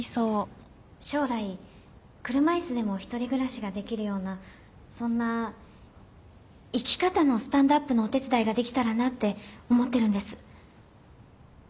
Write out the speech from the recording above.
将来車椅子でも１人暮らしができるようなそんな生き方のスタンドアップのお手伝いができたらなって思ってるんです